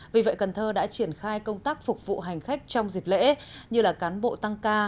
vì vậy cần thơ đã triển khai công tác phục vụ hành khách trong dịp lễ như cán bộ tăng ca